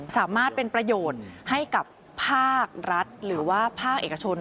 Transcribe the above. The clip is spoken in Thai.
สามารถเป็นประโยชน์ให้กับภาครัฐหรือว่าภาคเอกชน